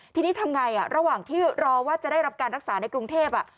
ทีนี้ทำไงระหว่างที่รอว่าจะได้รับการรักษาในกรุงเทพ